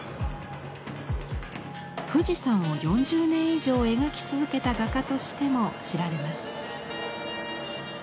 富士山を４０年以上描き続けた画家としても知られます。